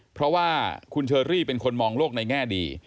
เพราะว่าคุณเชอรี่เป็นคนมองโลกในแง่ดี